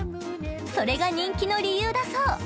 それが人気の理由だそう。